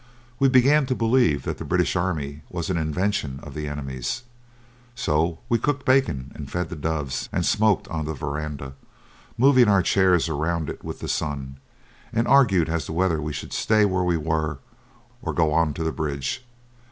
We began to believe that the British army was an invention of the enemy's. So we cooked bacon and fed the doves, and smoked on the veranda, moving our chairs around it with the sun, and argued as to whether we should stay where we were or go on to the bridge.